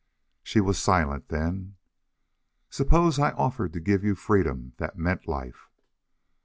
She was silent then. "Suppose I offered to give you freedom that meant life?"